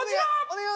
お願い